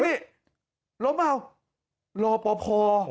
นี่ล้มเปล่ารอพอพอ